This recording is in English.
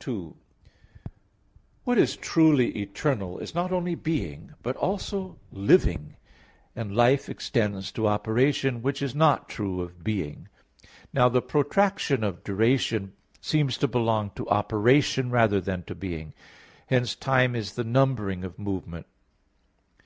2: What is truly eternal, is not only being, but also living; and life extends to operation, which is not true of being. Now the protraction of duration seems to belong to operation rather than to being; hence time is the numbering of movement.